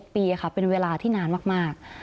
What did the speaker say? ปีค่ะเป็นเวลาที่นานมาก